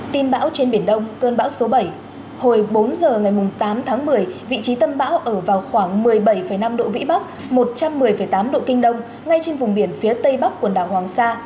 tin bão trên biển đông cơn bão số bảy hồi bốn h ngày tám tháng một mươi vị trí tâm bão ở vào khoảng một mươi bảy năm độ vĩ bắc một trăm một mươi tám độ kinh đông ngay trên vùng biển phía tây bắc quần đảo hoàng sa